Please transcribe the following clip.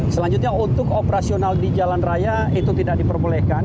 selanjutnya untuk operasional di jalan raya itu tidak diperbolehkan